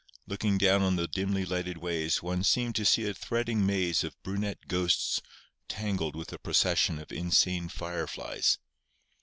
Looking down on the dimly lighted ways one seemed to see a threading maze of brunette ghosts tangled with a procession of insane fireflies.